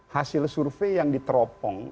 hasil survei yang diteropong